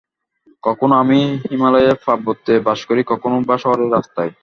কখনও আমি হিমালয় পর্বতে বাস করি, কখনও বা শহরের রাস্তায়।